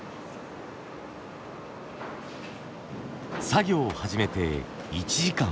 作業を始めて１時間。